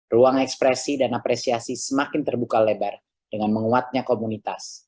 ruang ekspresi dan apresiasi semakin terbuka lebar dengan menguatnya komunitas